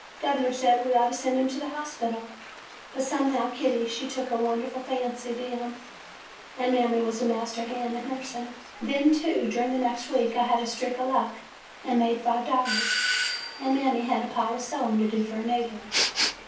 Gov 'ner said we ought to send him to the hospital ; but somehow Kitty she took a wonderful fancy [ 65 ] 5 — An Easter Lily ^AN EASTER LILY to him, and Mammy was a master hand at nursing. Then, too, during the next week I had a streak of luck, and made five dollars, and Mammy had a pile of sewing to do for a neighbor.